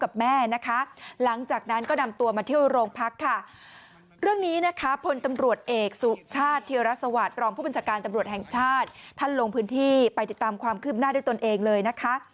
บริษัทการตำรวจแห่งชาติท่านลงพื้นที่ไปติดตามความคืบหน้าด้วยตนเองเลยนะคะ